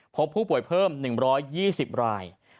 พบผู้ป่วยเพิ่ม๑๒๐ราย